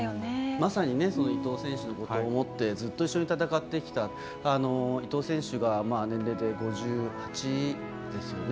まさに伊藤選手のことを思ってずっと一緒に戦ってきた伊藤選手が年齢で５８ですよね。